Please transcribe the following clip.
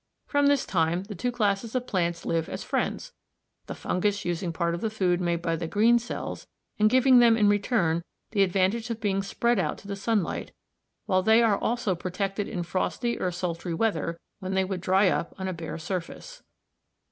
From this time the two classes of plants live as friends, the fungus using part of the food made by the green cells, and giving them in return the advantage of being spread out to the sunlight, while they are also protected in frosty or sultry weather when they would dry up on a bare surface.